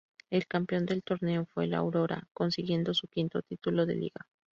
El campeón del torneo fue el Aurora, consiguiendo su quinto título de liga.